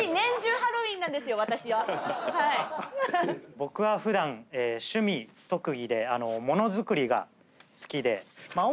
僕は普段趣味特技で物作りが好きで。